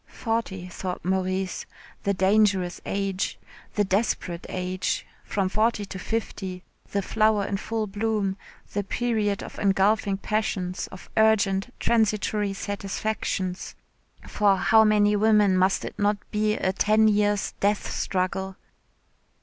Forty, thought Maurice, the dangerous age the desperate age. From forty to fifty, the flower in full bloom, the period of engulfing passions, of urgent transitory satisfactions. For how many women must it not be a ten years' death struggle.